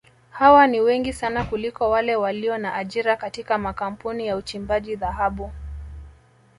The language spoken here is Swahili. Hawa ni wengi sana kuliko wale walio na ajira katika makampuni ya uchimbaji dhahabu